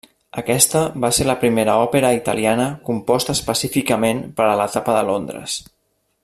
Aquesta va ser la primera òpera italiana composta específicament per a l'etapa de Londres.